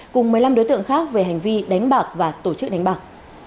cùng một mươi năm đối tượng khác về hành vi đánh bạc và tổ chức đánh bạc